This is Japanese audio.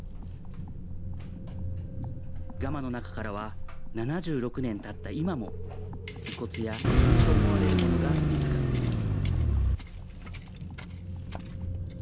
ガマの中からは、７６年たった今も、遺骨や遺品と思われるものが見つかっています。